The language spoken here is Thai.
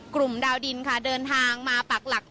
กลุ่มดาวดินค่ะเดินทางมาปักหลัก